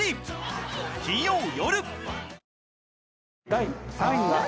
第３位は。